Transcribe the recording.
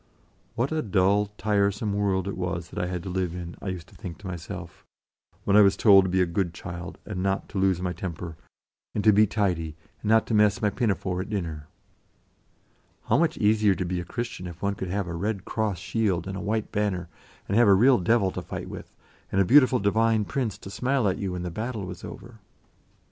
What a dull, tire some world it was that I had to live in, I used to think to myself, when I was told to be a good child, and not to lose my temper, and to be tidy, and not mess my pinafore at dinner. How much easier to be a Christian if one could have a red cross shield and a white banner, and have a real devil to fight with, and a beautiful Divine Prince to smile at you when the battle was over.